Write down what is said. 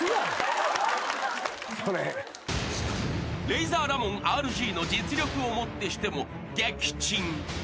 ［レイザーラモンＲＧの実力をもってしても撃沈］